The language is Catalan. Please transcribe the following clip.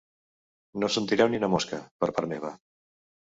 No sentireu ni una mosca, per part meva.